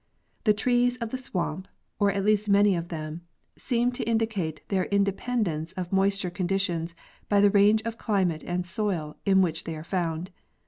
The trees of the swamp, or at least many of them, seem to indicate their independence of moisture conditions by the range of climate and soil in which they are found.